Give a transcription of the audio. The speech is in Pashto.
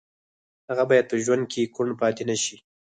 هغه باید په ژوند کې کوڼ پاتې نه شي